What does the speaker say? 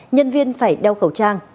nhân viên phải đeo khẩu trang